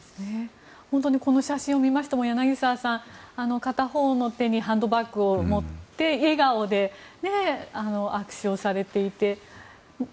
本当に、この写真を見ても柳澤さん片方の手にハンドバッグを持って笑顔で握手をされていて。